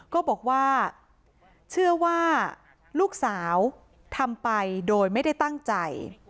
ก็บอกว่าเชื่อว่าลูกสาวทำไปโดยไม่ได้ตั้งใจ